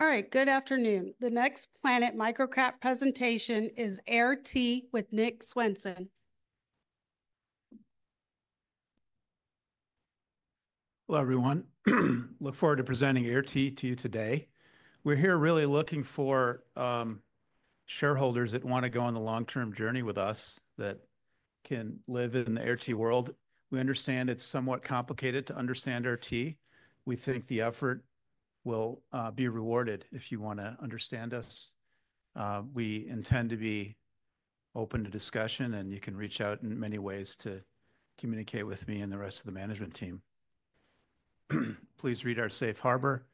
All right, good afternoon. The next Planet Microcap presentation is Air T with Nick Swenson. Hello, everyone. Look forward to presenting Air T to you today. We're here, really looking for shareholders that want to go on the long-term journey with us, that can live in the Air T world. We understand it's somewhat complicated to understand Air T. We think the effort will be rewarded if you want to understand us. We intend to be open to discussion, and you can reach out in many ways to communicate with me and the rest of the management team. Please read our safe harbor.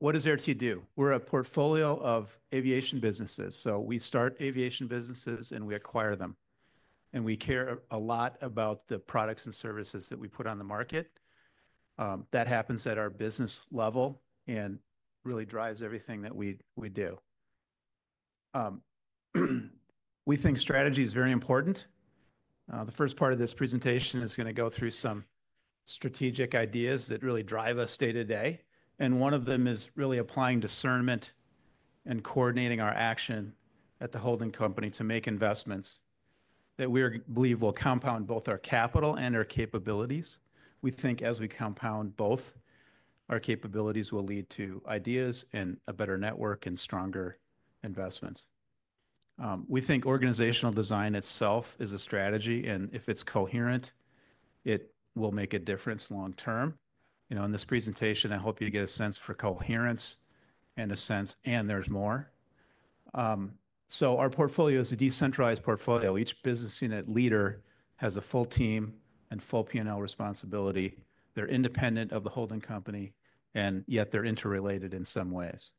What does Air T do? We're a portfolio of aviation businesses. We start aviation businesses, and we acquire them. We care a lot about the products and services that we put on the market. That happens at our business level and really drives everything that we do. We think strategy is very important. The first part of this presentation is going to go through some strategic ideas that really drive us day to day. One of them is really applying discernment and coordinating our action at the Holding Company to make investments that we believe will compound both our capital and our capabilities. We think, as we compound both, our capabilities will lead to ideas, and a better network, and stronger investments. We think organizational design itself is a strategy, and if it's coherent, it will make a difference long term. You know, in this presentation, I hope you get a sense for coherence and a sense, and there's more. Our portfolio is a decentralized portfolio. Each business unit leader has a full team and full P&L responsibility. They're independent of the Holding Company, and yet they're interrelated in some ways.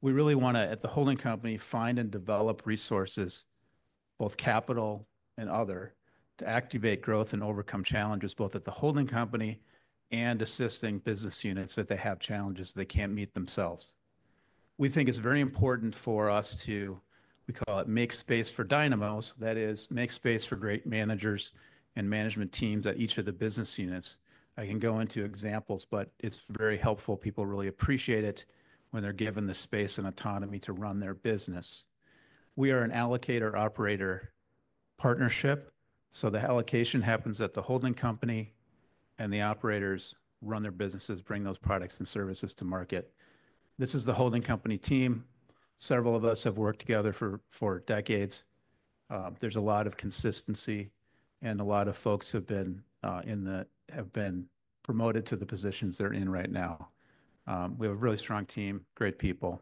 We really want to, at the Holding Company, find and develop resources, both capital and other, to activate growth, and overcome challenges, both at the Holding Company and assisting business units that they have challenges they can't meet themselves. We think it's very important for us to, we call it, make space for dynamos. That is, make space for great managers and management teams at each of the business units. I can go into examples, but it's very helpful. People really appreciate it when they're given the space and autonomy to run their business. We are an allocator-operator partnership. The allocation happens at the Holding Company, and the operators run their businesses, bring those products and services to market. This is the Holding Company team. Several of us have worked together for decades. There's a lot of consistency, and a lot of folks have been promoted to the positions they're in right now. We have a really strong team, great people.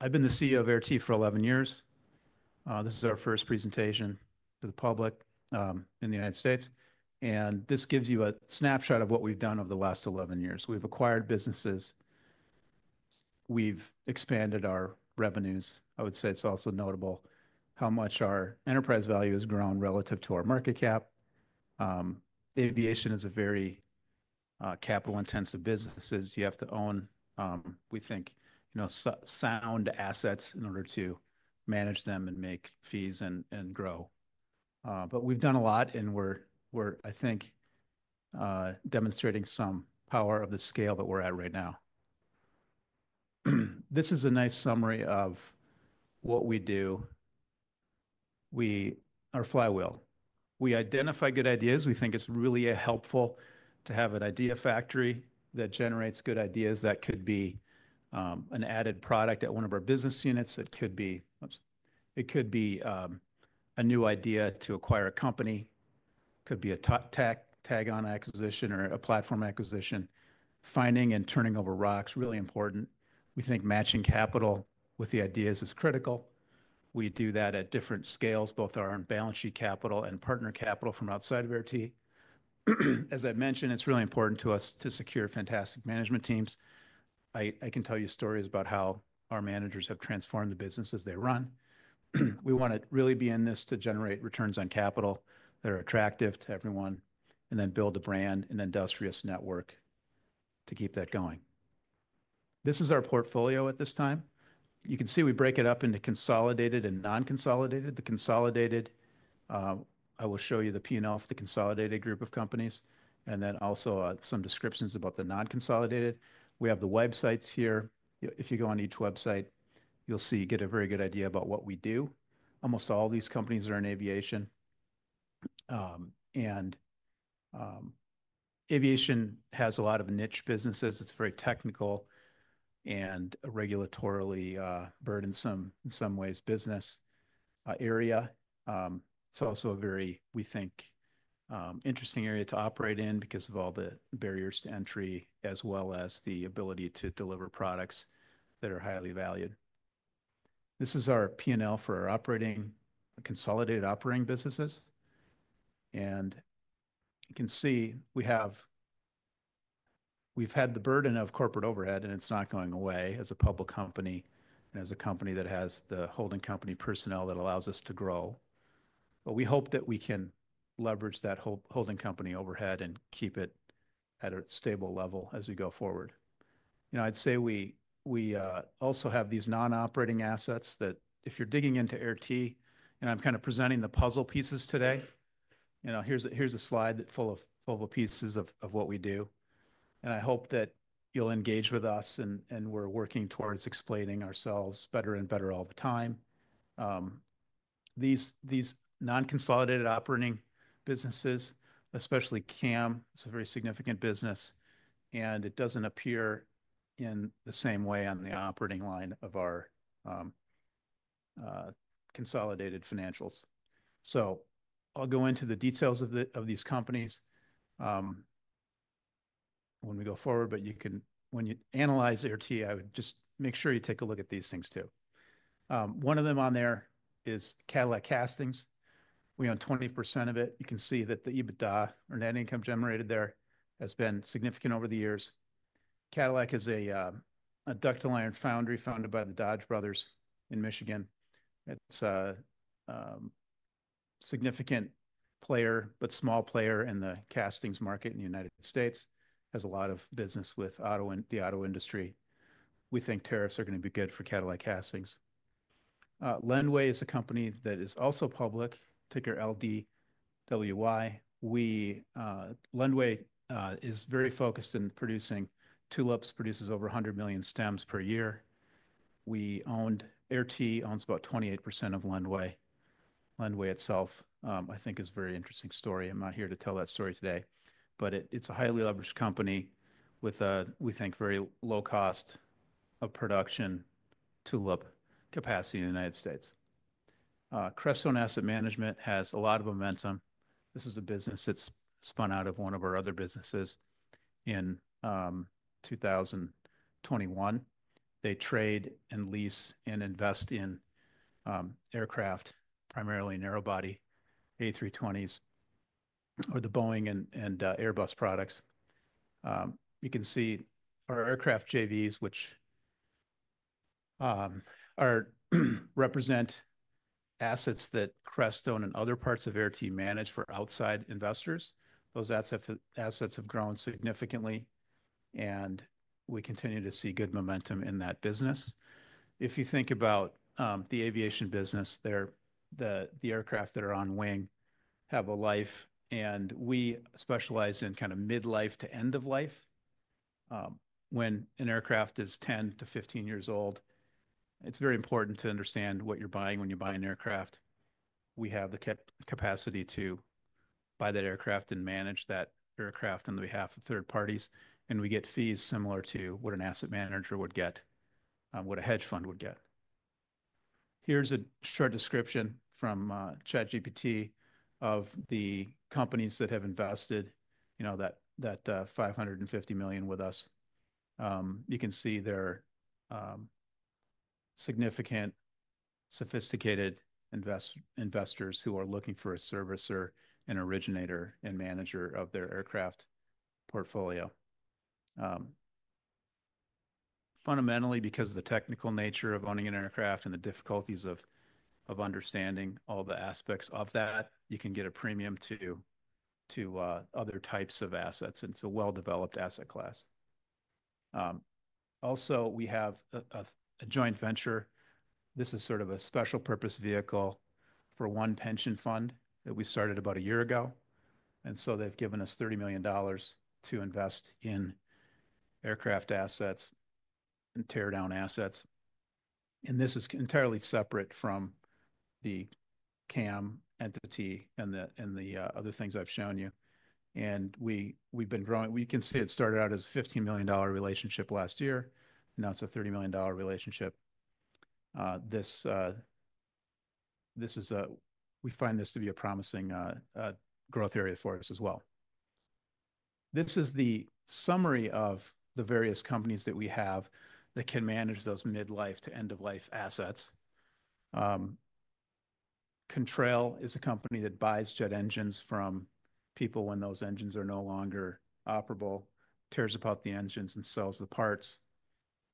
I've been the CEO of Air T for 11 years. This is our first presentation to the public in the United States. This gives you a snapshot of what we've done over the last 11 years. We've acquired businesses. We've expanded our revenues. I would say it's also notable how much our enterprise value has grown relative to our market cap. Aviation is a very capital-intensive business. You have to own, we think, sound assets in order to manage them and make fees and grow. We've done a lot, and we're, I think, demonstrating some power of the scale that we're at right now. This is a nice summary of what we do. We are Flywheel. We identify good ideas. We think it's really helpful to have an idea factory that generates good ideas that could be an added product at one of our business units. It could be a new idea to acquire a company. It could be a tag-on acquisition or a platform acquisition. Finding and turning over rocks is really important. We think matching capital with the ideas is critical. We do that at different scales, both our balance sheet capital and partner capital from outside of Air T. As I mentioned, it's really important to us to secure fantastic management teams. I can tell you stories about how our managers have transformed the business as they run. We want to really be in this to generate returns on capital that are attractive to everyone and then build a brand and industrious network to keep that going. This is our portfolio at this time. You can see we break it up into consolidated and non-consolidated. The consolidated, I will show you the P&L for the consolidated group of companies, and then also some descriptions about the non-consolidated. We have the websites here. If you go on each website, you'll see you get a very good idea about what we do. Almost all of these companies are in aviation. Aviation has a lot of niche businesses. It's a very technical and regulatorily burdensome in some ways business area. It's also a very, we think, interesting area to operate in because of all the barriers to entry as well as the ability to deliver products that are highly valued. This is our P&L for our consolidated operating businesses. You can see we've had the burden of corporate overhead, and it's not going away, as a Public Company, and as a company that has the Holding Company personnel that allows us to grow. We hope that we can leverage that Holding Company overhead and keep it at a stable level as we go forward. You know, I'd say we also have these non-operating assets that if you're digging into Air T, and I'm kind of presenting the puzzle pieces today, you know, here's a slide full of pieces of what we do. I hope that you'll engage with us, and we're working towards explaining ourselves better and better all the time. These non-consolidated operating businesses, especially CAM, is a very significant business, and it doesn't appear in the same way on the operating line of our consolidated financials. I'll go into the details of these companies when we go forward, but you can, when you analyze Air T, I would just make sure you take a look at these things too. One of them on there is Cadillac Castings. We own 20% of it. You can see that the EBITDA, or Net Income generated there has been significant over the years. Cadillac is a ductile iron foundry founded by the Dodge brothers in Michigan. It's a significant player, but small player in the castings market in the United States. Has a lot of business with the auto industry. We think tariffs are going to be good for Cadillac Castings. Lenway is a company that is also public, ticker LDWY. Lenway is very focused in producing tulips, produces over 100 million stems per year. Air T owns about 28% of Lenway. Lenway itself, I think, is a very interesting story. I'm not here to tell that story today, but it's a highly leveraged company with, we think, very low cost of production tulip capacity in the United States. Crestone Asset Management has a lot of momentum. This is a business that's spun out of one of our other businesses in 2021. They trade and lease and invest in aircraft, primarily narrowbody A320s or the Boeing and Airbus products. You can see our aircraft JVs, which represent assets that Crestone and other parts of Air T manage for outside investors. Those assets have grown significantly, and we continue to see good momentum in that business. If you think about the aviation business, the aircraft that are on wing have a life, and we specialize in kind of mid-life to end of life. When an aircraft is 10-15 years old, it's very important to understand what you're buying when you buy an aircraft. We have the capacity to buy that aircraft and manage that aircraft on behalf of third parties, and we get fees similar to what an asset manager would get, what a hedge fund would get. Here's a short description from ChatGPT of the companies that have invested, you know, that $550 million with us. You can see they're significant, sophisticated investors who are looking for a servicer and originator and manager of their aircraft portfolio. Fundamentally, because of the technical nature of owning an aircraft and the difficulties of understanding all the aspects of that, you can get a premium to other types of assets and to a well-developed asset class. Also, we have a joint venture. This is sort of a special purpose vehicle for one pension fund that we started about a year ago. They have given us $30 million to invest in aircraft assets and tear down assets. This is entirely separate from the CAM entity and the other things I have shown you. We have been growing. You can see it started out as a $15 million relationship last year. Now it is a $30 million relationship. We find this to be a promising growth area for us as well. This is the summary of the various companies that we have that can manage those mid-life to end-of-life assets. Contrail is a company that buys jet engines from people when those engines are no longer operable, cares about the engines, and sells the parts.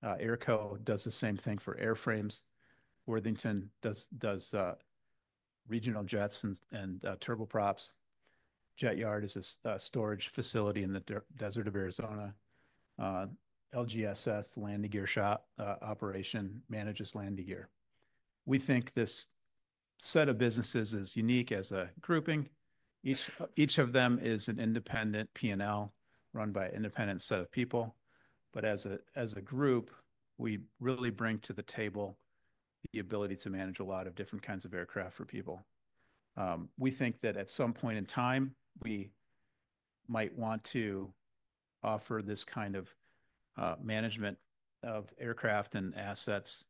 Airco does the same thing for airframes. Worthington does regional jets and turboprops. Jet Yard is a storage facility in the desert of Arizona. LGSS, Landing Gear Shop operation, manages landing gear. We think this set of businesses is unique as a grouping. Each of them is an independent P&L run by an independent set of people. As a group, we really bring to the table the ability to manage a lot of different kinds of aircraft for people. We think that at some point in time, we might want to offer this kind of management of aircraft and assets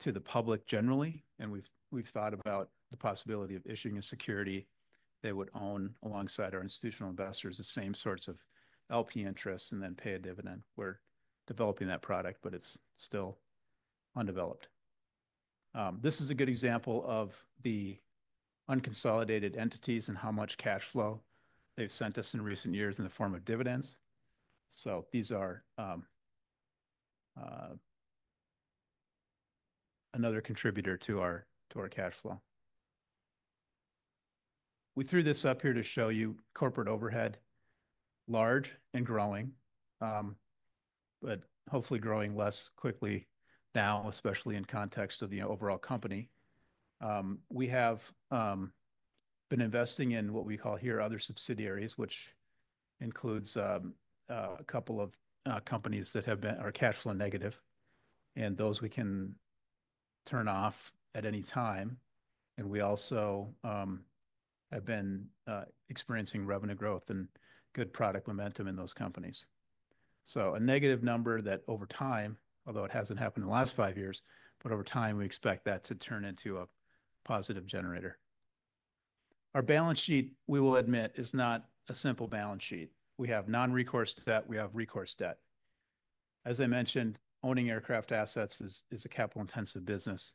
to the public generally. We have thought about the possibility of issuing a security they would own alongside our institutional investors, the same sorts of LP interests, and then pay a dividend. We are developing that product, but it is still undeveloped. This is a good example of the unconsolidated entities and how much cash flow they've sent us in recent years in the form of dividends. These are another contributor to our cash flow. We threw this up here to show you corporate overhead, large and growing, but hopefully growing less quickly now, especially in context of the overall company. We have been investing in what we call here other subsidiaries, which includes a couple of companies that have been cash flow negative. Those we can turn off at any time. We also have been experiencing revenue growth and good product momentum in those companies. A negative number that over time, although it hasn't happened in the last five years, but over time we expect that to turn into a positive generator. Our balance sheet, we will admit, is not a simple balance sheet. We have non-recourse debt. We have recourse debt. As I mentioned, owning aircraft assets is a capital-intensive business.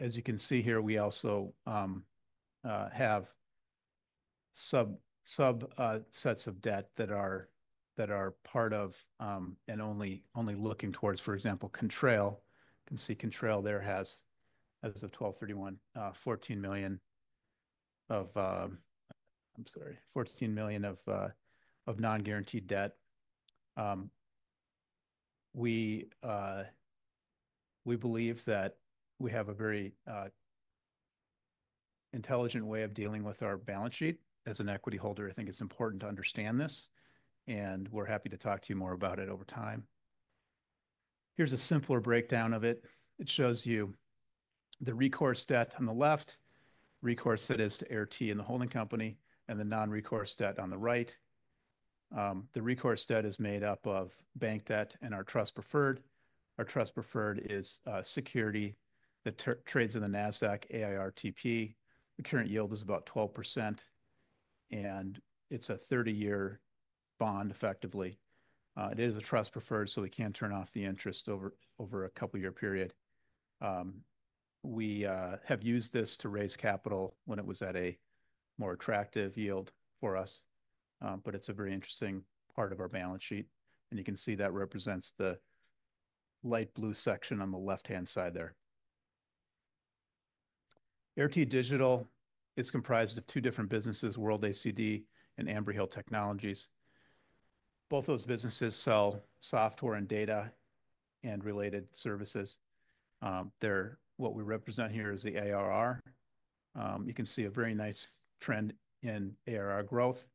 As you can see here, we also have subsets of debt that are part of and only looking towards, for example, Contrail. You can see Contrail there has, as of December 31, $14 million of, I'm sorry, $14 million of non-guaranteed debt. We believe that we have a very intelligent way of dealing with our balance sheet. As an equity holder, I think it's important to understand this, and we're happy to talk to you more about it over time. Here's a simpler breakdown of it. It shows you the recourse debt on the left, recourse that is to Air T and the Holding Company, and the non-recourse debt on the right. The recourse debt is made up of bank debt and our trust preferred. Our trust preferred is security that trades in the NASDAQ AIRTP. The current yield is about 12%, and it's a 30-year bond effectively. It is a trust preferred, so we can't turn off the interest over a couple-year period. We have used this to raise capital when it was at a more attractive yield for us, but it's a very interesting part of our balance sheet. You can see that represents the light blue section on the left-hand side there. Air T Digital is comprised of two different businesses, World ACD and Amber Hill Technologies. Both those businesses sell software and data and related services. What we represent here is the ARR. You can see a very nice trend in ARR growth.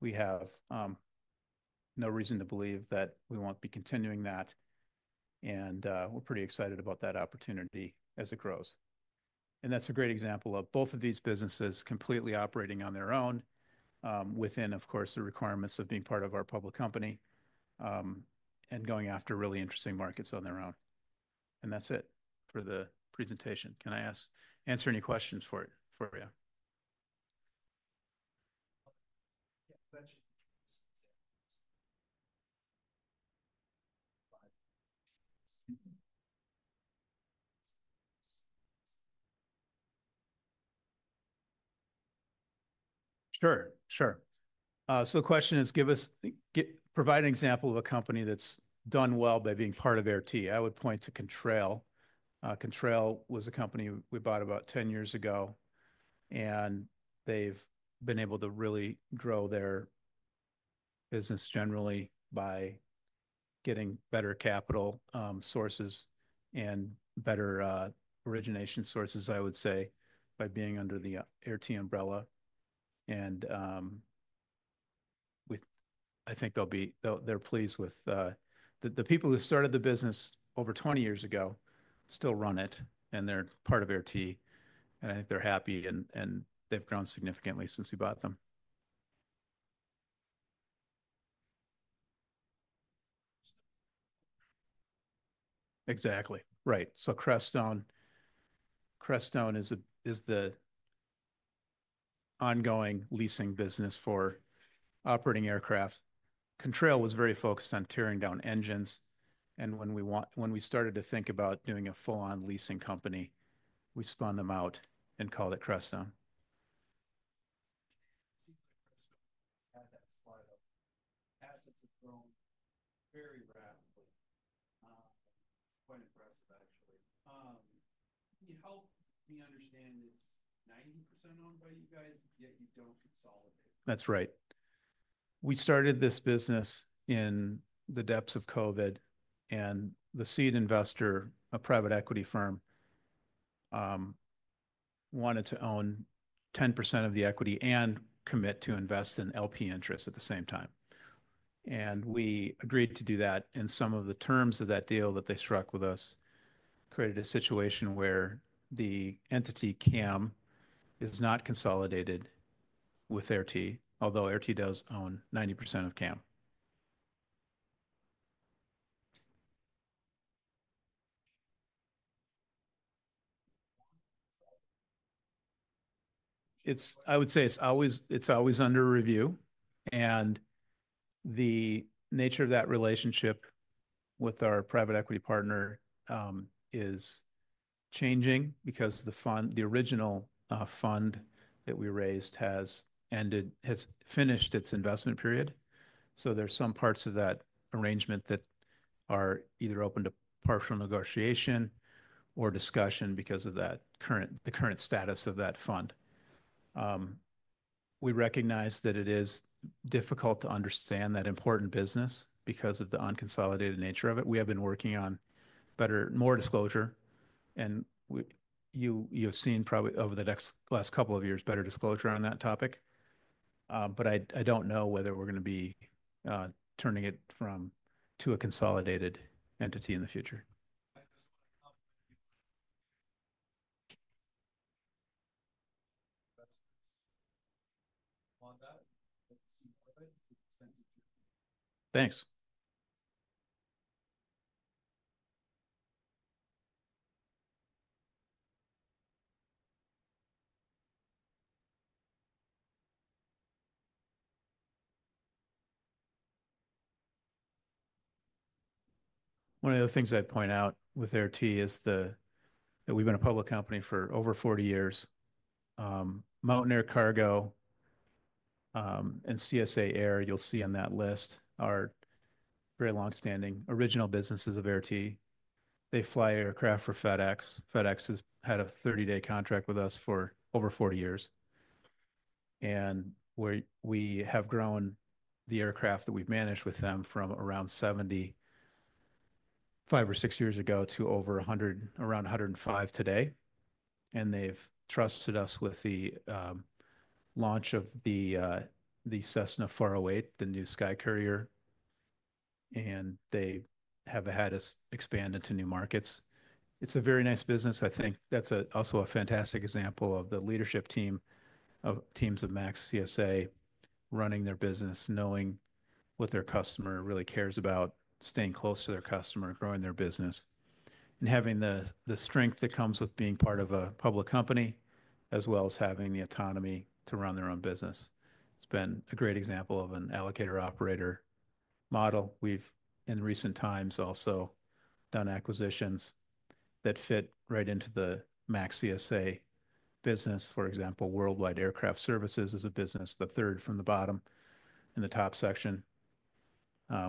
We have no reason to believe that we won't be continuing that, and we're pretty excited about that opportunity as it grows. That's a great example of both of these businesses completely operating on their own within, of course, the requirements of being part of our Public Company and going after really interesting markets on their own. That's it for the presentation. Can I answer any questions for you? Sure, sure. The question is, provide an example of a company that's done well by being part of Air T. I would point to Contrail. Contrail was a company we bought about 10 years ago, and they've been able to really grow their business generally by getting better capital sources and better origination sources, I would say, by being under the Air T umbrella. I think they're pleased with the people who started the business over 20 years ago still run it, and they're part of Air T, and I think they're happy, and they've grown significantly since we bought them. Exactly, right. Crestone is the ongoing leasing business for operating aircraft. Contrail was very focused on tearing down engines, and when we started to think about doing a full-on leasing company, we spun them out and called it Crestone. Assets have grown very rapidly. It's quite impressive, actually. Can you help me understand it's 90% owned by you guys, yet you don't consolidate? That's right. We started this business in the depths of COVID, and the seed investor, a private equity firm, wanted to own 10% of the equity and commit to invest in LP interest at the same time. We agreed to do that, and some of the terms of that deal that they struck with us created a situation where the entity CAM is not consolidated with Air T, although Air T does own 90% of CAM. I would say it's always under review, and the nature of that relationship with our private equity partner is changing because the original fund that we raised has finished its investment period. There are some parts of that arrangement that are either open to partial negotiation or discussion because of the current status of that fund. We recognize that it is difficult to understand that important business because of the unconsolidated nature of it. We have been working on more disclosure, and you've seen probably over the last couple of years better disclosure on that topic. I don't know whether we're going to be turning it to a consolidated entity in the future. Thanks. One of the things I'd point out with Air T is that we've been a Public Company for over 40 years. Mountaineer Cargo and CSA Air, you'll see on that list, are very long-standing original businesses of Air T. They fly aircraft for FedEx. FedEx has had a 30-day contract with us for over 40 years. We have grown the aircraft that we've managed with them from around 75 or 6 years ago to around 105 today. They have trusted us with the launch of the Cessna 408, the new Skycourier, and they have had us expand into new markets. It's a very nice business. I think that's also a fantastic example of the leadership team of teams of Max CSA running their business, knowing what their customer really cares about, staying close to their customer, growing their business, and having the strength that comes with being part of a Public Company, as well as having the autonomy to run their own business. It's been a great example of an alligator operator model. We've, in recent times, also done acquisitions that fit right into the Max CSA business. For example, Worldwide Aircraft Services is a business, the third from the bottom in the top section.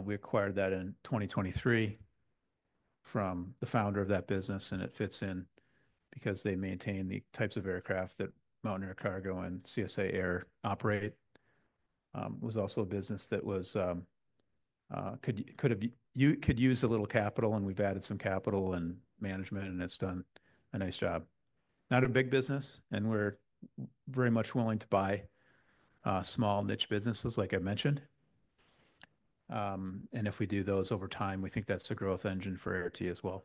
We acquired that in 2023 from the founder of that business, and it fits in because they maintain the types of aircraft that Mountaineer Cargo and CSA Air operate. It was also a business that could use a little capital, and we've added some capital and management, and it's done a nice job. Not a big business, and we're very much willing to buy small niche businesses, like I mentioned. If we do those over time, we think that's a growth engine for Air T as well.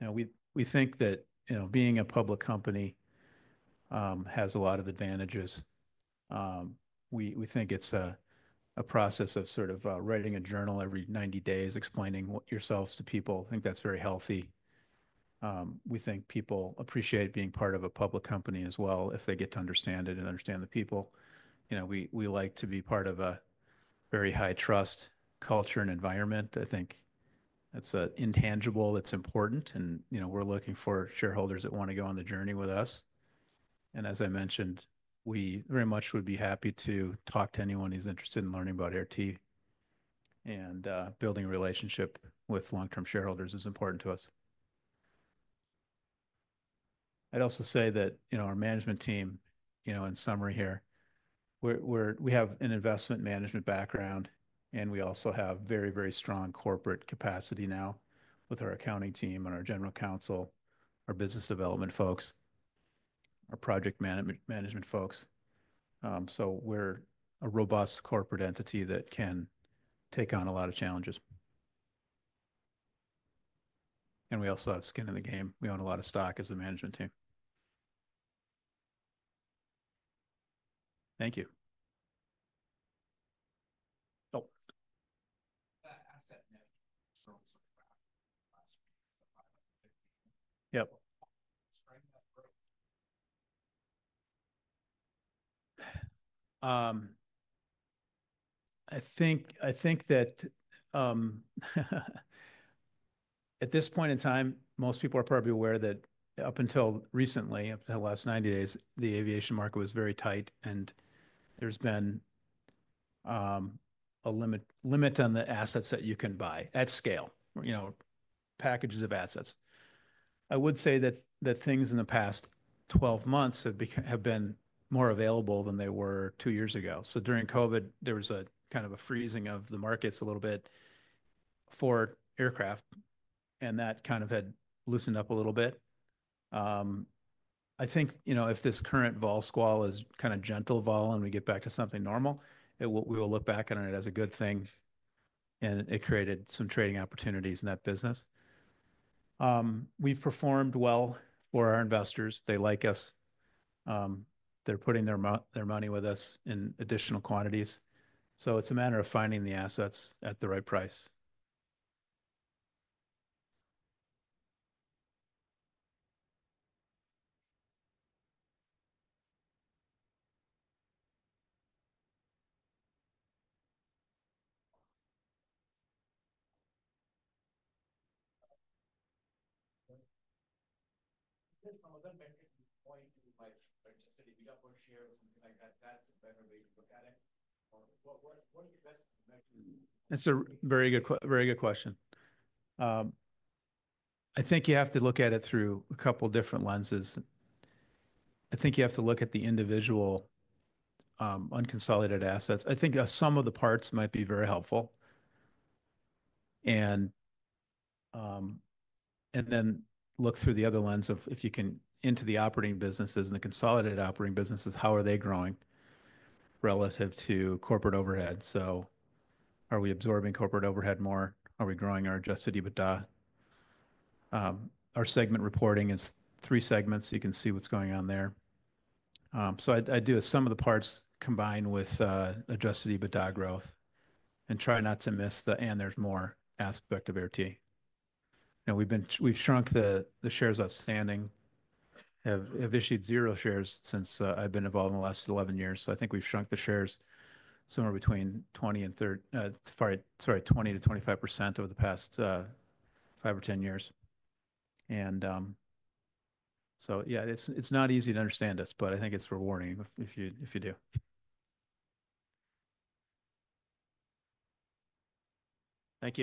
Now, we think that being a Public Company has a lot of advantages. We think it's a process of sort of writing a journal every 90 days, explaining yourselves to people. I think that's very healthy. We think people appreciate being part of a Public Company as well if they get to understand it and understand the people. We like to be part of a very high trust culture and environment. I think it's intangible. It's important, and we're looking for shareholders that want to go on the journey with us. As I mentioned, we very much would be happy to talk to anyone who's interested in learning about Air T. Building a relationship with long-term shareholders is important to us. I'd also say that our management team, in summary here, we have an investment management background, and we also have very, very strong corporate capacity now with our accounting team and our general counsel, our business development folks, our project management folks. We're a robust corporate entity that can take on a lot of challenges. We also have skin in the game. We own a lot of stock as a management team. Thank you. Yep. I think that at this point in time, most people are probably aware that up until recently, up until the last 90 days, the aviation market was very tight, and there's been a limit on the assets that you can buy at scale, packages of assets. I would say that things in the past 12 months have been more available than they were two years ago. During COVID, there was a kind of a freezing of the markets a little bit for aircraft, and that kind of had loosened up a little bit. I think if this current vol squall is kind of gentle vol and we get back to something normal, we will look back on it as a good thing, and it created some trading opportunities in that business. We've performed well for our investors. They like us. They're putting their money with us in additional quantities. It's a matter of finding the assets at the right price. That's a very good question. I think you have to look at it through a couple of different lenses. I think you have to look at the individual unconsolidated assets. I think some of the parts might be very helpful. Then look through the other lens of if you can into the operating businesses and the consolidated operating businesses, how are they growing relative to corporate overhead? Are we absorbing corporate overhead more? Are we growing our adjusted EBITDA? Our segment reporting is three segments. You can see what's going on there. I do some of the parts combine with adjusted EBITDA growth and try not to miss the "and there's more" aspect of Air T. We've shrunk the shares outstanding. I've issued zero shares since I've been involved in the last 11 years. I think we've shrunk the shares somewhere between 20% and 25% over the past five or ten years. Yeah, it's not easy to understand us, but I think it's rewarding if you do. Thank you.